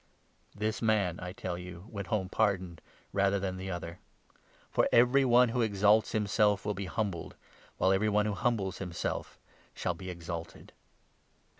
This man, I tell you, went home pardoned, rather than the 14 other ; for every one who exalts himself will be humbled, while every one who humbles himself shall be exalted."